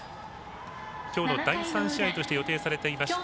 きょうの第３試合として予定されていました